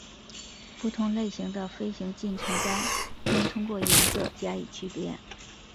不同类型的飞行进程单应通过颜色加以区别。